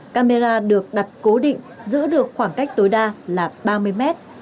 camera được đặt cố định giữ được khoảng cách tối đa là ba mươi mét